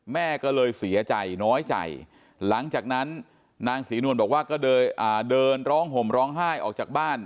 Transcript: แม่ก็เลยเสียใจน้อยใจหลังจากนั้นนางศรีนวลบอกว่าก็เดินร้องห่มร้องไห้ออกจากบ้าน